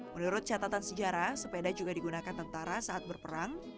menurut catatan sejarah sepeda juga digunakan tentara saat berperang